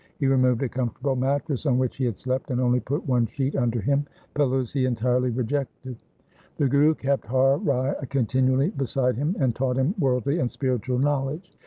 He removed a comfortable mattress on which he had slept and only put one sheet under him. Pillows he entirely rejected. The Guru kept Har Rai continually beside him, and taught him worldly and spiritual knowledge.